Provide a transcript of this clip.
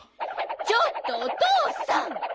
ちょっとおとうさん。